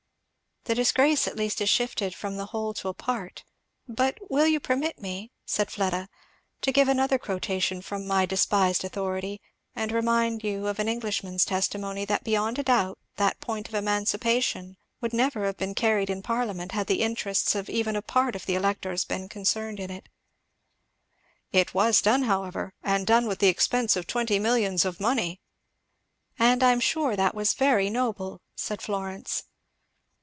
"The disgrace at least is shifted from the whole to a part. But will you permit me," said Fleda, "to give another quotation from my despised authority, and remind you of an Englishman's testimony, that beyond a doubt that point of emancipation would never have been carried in parliament had the interests of even a part of the electors been concerned in it." "It was done, however, and done at the expense of twenty millions of money." "And I am sure that was very noble," said Florence.